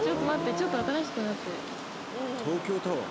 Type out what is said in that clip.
「ちょっと新しくなってる」「東京タワー？」